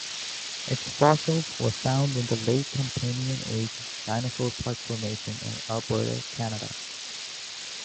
Its fossils were found in the late Campanian-age Dinosaur Park Formation, in Alberta, Canada.